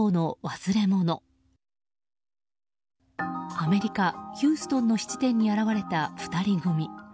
アメリカ・ヒューストンの質店に現れた２人組。